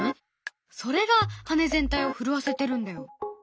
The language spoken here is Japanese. それが羽全体を震わせてるんだよ。